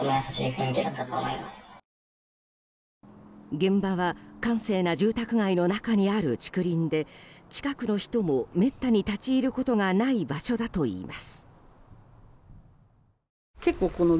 現場は閑静な住宅街の中にある竹林で近くの人もめったに立ち入ることがない場所だといいます。